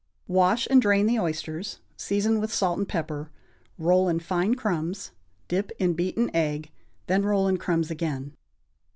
= Wash and drain the oysters, season with salt and pepper, roll in fine crumbs, dip in beaten egg, then roll in crumbs again.